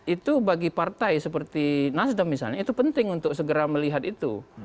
itu bagi partai seperti nasdem misalnya itu penting untuk segera melihat itu